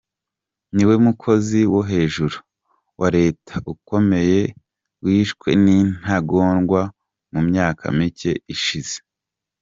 Niwe mukozi wo hejuru wa leta ukomeye wishwe n'intagondwa mu myaka mike ishize.